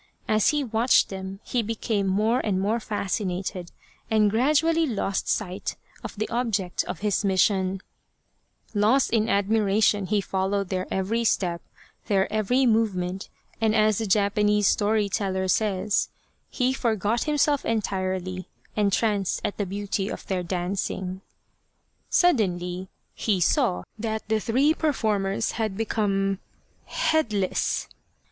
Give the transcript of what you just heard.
As he watched them he became more and more fascinated, and gradually lost sight of the object of his mission. 269 The Badger Haunted Temple Lost in admiration, he followed their every step, their every movement, and as the Japanese story teller says, he forgot himself entirely, entranced at the beauty of their dancing. Suddenly he saw that the three performers had become headless!